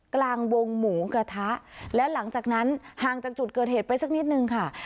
กลางวงหมูกระทะแล้วหลังจากนั้นห่างจากจุดเกิดเหตุไปสักนิดนึงค่ะ